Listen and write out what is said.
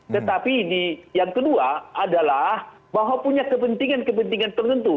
tetapi yang kedua adalah bahwa punya kepentingan kepentingan tertentu